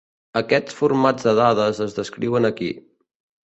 Aquests formats de dades es descriuen aquí.